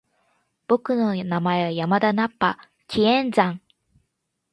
僕の名前は山田ナッパ！気円斬！